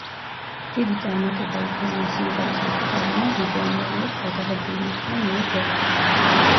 დიდი წარმატება იქონია სიმღერის მუსიკალურმა ვიდეომ, რომელიც გადაღებული იქნა ნიუ-ჯერსიში.